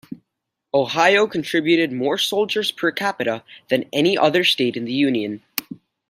Ohio contributed more soldiers per-capita than any other state in the Union.